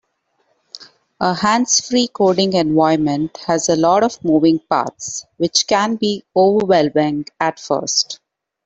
A hands-free coding environment has a lot of moving parts, which can be overwhelming at first.